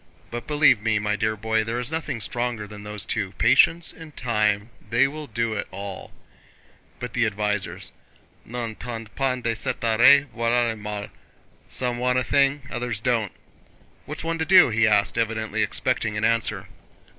But believe me, my dear boy, there is nothing stronger than those two: patience and time, they will do it all. But the advisers n'entendent pas de cette oreille, voilà le mal. * Some want a thing—others don't. What's one to do?" he asked, evidently expecting an answer.